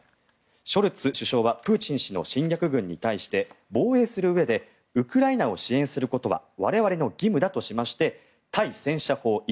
ショルツ首相はプーチン氏の侵略軍に対して防衛するうえでウクライナを支援することは我々の義務だとしまして対戦車砲１０００